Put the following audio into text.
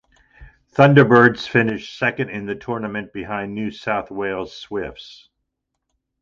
Thunderbirds finished second in the tournament behind New South Wales Swifts.